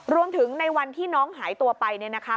ในวันที่น้องหายตัวไปเนี่ยนะคะ